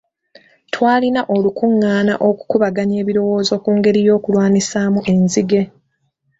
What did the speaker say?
Twalina olukungaana okukubaganya ebirowoozo ku ngeri y'okulwanyisaamu enzige.